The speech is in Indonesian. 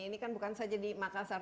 ini kan bukan saja di makassar